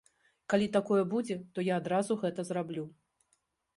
Калі такое будзе, то я адразу гэта зраблю.